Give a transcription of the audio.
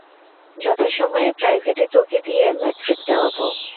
যথাসময়ে প্রাইভেটে তোকে দিয়ে ম্যাট্রিক দেওয়াব।